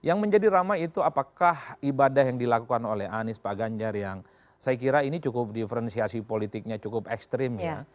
yang menjadi ramai itu apakah ibadah yang dilakukan oleh anies pak ganjar yang saya kira ini cukup diferensiasi politiknya cukup ekstrim ya